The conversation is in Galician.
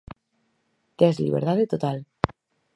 Tes liberdade total.